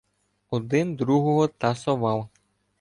Один другого тасовав.